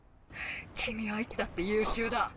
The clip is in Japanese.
君はいつだって優秀だ。